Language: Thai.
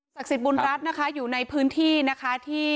สิทธิ์บุญรัฐนะคะอยู่ในพื้นที่นะคะที่